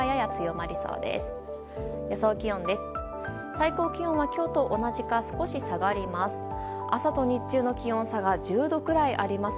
最高気温は今日と同じか少し下がります。